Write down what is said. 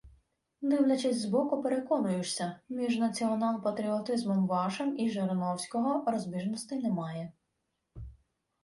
Дивлячись збоку, переконуєшся: між націонал-патріотизмом вашим і Жириновського – розбіжностей немає